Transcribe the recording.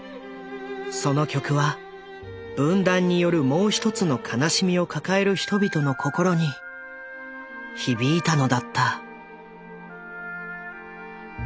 その曲は分断によるもう１つの悲しみを抱える人々の心に響いたのだった。